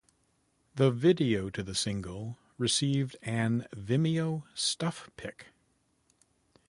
The Video to the Single received an Vimeo Stuff Pick.